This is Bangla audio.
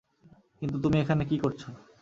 কিন্তু তুমি এখানে কী করছো?